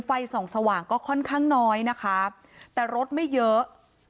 ไฟส่องสว่างก็ค่อนข้างน้อยนะคะแต่รถไม่เยอะ